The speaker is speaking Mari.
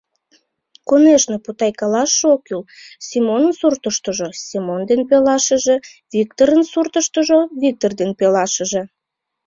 Конешне, путайкалаш ок кӱл: Семонын суртыштыжо — Семон ден пелашыже, Виктырын суртыштыжо — Виктыр ден пелашыже.